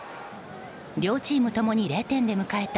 両チーム共に０点で迎えた